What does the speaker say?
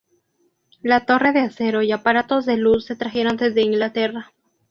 La torre de acero y aparatos de luz se trajeron desde Inglaterra.